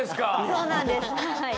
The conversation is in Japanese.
そうなんですはい。